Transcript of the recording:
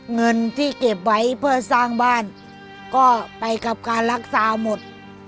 เงินที่เก็บไว้เพื่อสร้างบ้านก็ไปกับการรักษาหมด